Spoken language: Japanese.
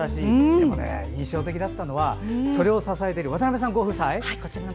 でも、印象的だったのがそれを支えている渡辺さんご夫婦。